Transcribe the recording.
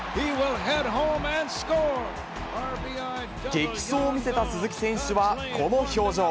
激走を見せた鈴木選手はこの表情。